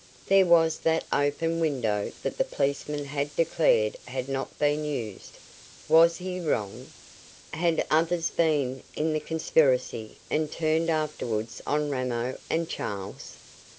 There was that open window that the policeman had declared had not been used. Was he wrong? Had others been in the conspiracy and turned afterwards on Ramo and Charles?